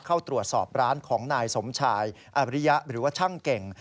เข้าตรวจสอบร้านของนายสมชายอริยะหรือว่าช่างเก่ง